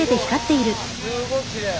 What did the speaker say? すごいきれい。